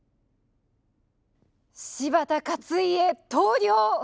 柴田勝家投了！